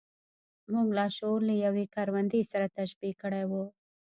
موږ لاشعور له يوې کروندې سره تشبيه کړی و.